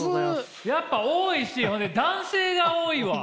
やっぱ多いしほんで男性が多いわ！